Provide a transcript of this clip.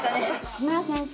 木村先生